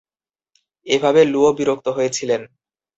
এভাবে লুও বিরক্ত হয়েছিলেন।